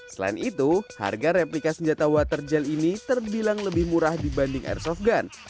selain itu harga replika senjata water gel ini terbilang lebih murah dibanding airsoft gun